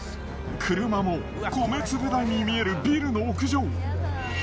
車も米粒大に見えるビルの屋上。